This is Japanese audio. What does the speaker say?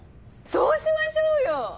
そうしましょうよ！